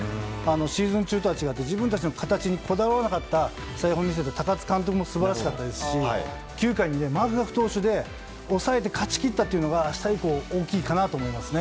シーズン中とは違って自分たちの形にこだわらなかった高津監督も素晴らしかったですし９回にマクガフ投手で抑えて勝ち切ったというのが明日以降、大きいと思います。